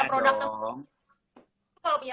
produk kalo punya